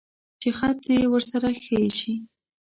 چې خط دې ورسره ښه شي.